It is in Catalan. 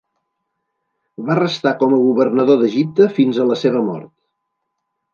Va restar com a governador d'Egipte fins a la seva mort.